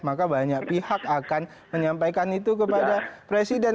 maka banyak pihak akan menyampaikan itu kepada presiden